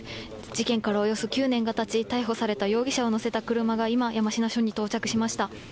事件からおよそ９年がたち、逮捕された容疑者を乗せた車が今、山科署に到着しました。